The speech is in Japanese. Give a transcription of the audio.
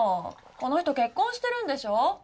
この人結婚してるんでしょ？